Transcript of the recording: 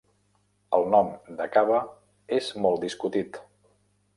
El nom de Cava és molt discutit.